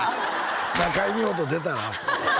中井美穂と出たら？